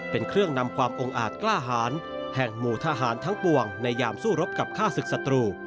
เป็นเครื่องนำความองค์อาจกล้าหารแห่งหมู่ทหารทั้งปวงในยามสู้รบกับฆ่าศึกศัตรู